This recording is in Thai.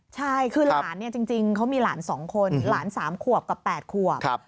ใช่คือหลานเนี่ยจริงเขามีหลาน๒คนหลาน๓ขวบกับ๘ขวบ